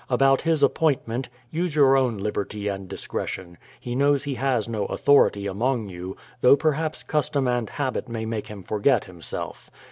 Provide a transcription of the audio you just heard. About his appointment, use your own liberty and discretion ; he knows he has no authority among you, though perhaps custom and habit may make him forget himself.